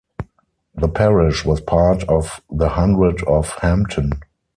The parish was part of the hundred of Hampton.